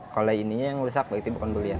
kalau ini rusak berarti bukan berlian